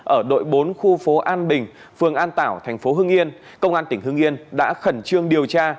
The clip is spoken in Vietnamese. ở đội bốn khu phố an bình phường an tảo thành phố hưng yên công an tỉnh hưng yên đã khẩn trương điều tra